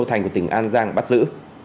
châu thành của tỉnh an giang bắt giữ